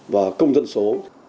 và công dân số